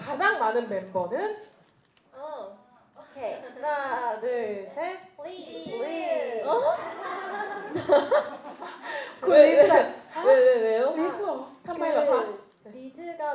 คุณลีซแบบฮะทำไมล่ะฮะ